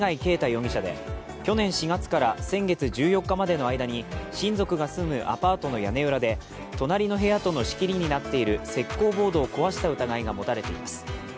容疑者で去年４月から先月１４日までの間に親族が住むアパートの屋根裏で隣の部屋との仕切りになっている石こうボードを壊した疑いが持たれています。